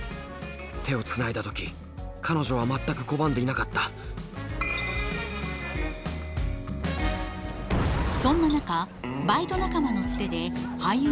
手をつないだ時彼女は全く拒んでいなかったそんな中バイト仲間のツテで俳優の仕事を得ますが。